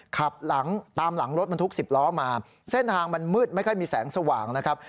ขับหลังตามหลังรถบรรทุก๑๐ล้อมาเส้นทางมันมืดไม่ค่อยมีแสงสว่างนะครับ